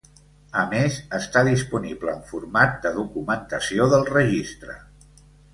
A més, està disponible en format de documentació del registre.